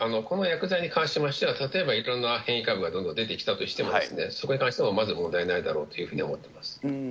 この薬剤に関しましては、例えばいろんな変異株がどんどん出てきたとしても、そこに関しても、まず問題ないだろうというふうに思ってます。